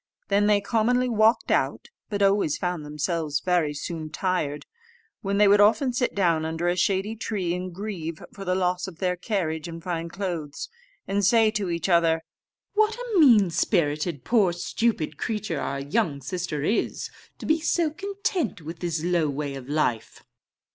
Then they commonly walked out, but always found themselves very soon tired; when they would often sit down under a shady tree, and grieve for the loss of their carriage and fine clothes, and say to each other, "What a mean spirited poor stupid creature our young sister is, to be so content with this low way of life!"